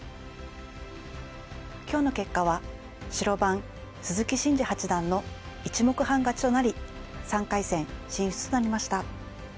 今日の結果は白番鈴木伸二八段の１目勝ちとなり３回戦進出となりました。